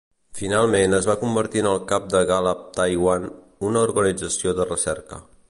Finalment es va convertir en el cap de Gallup Taiwan, una organització de recerca.